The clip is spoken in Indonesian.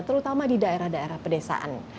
terutama di daerah daerah pedesaan